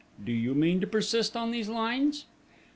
Do you mean to persist on these lines?"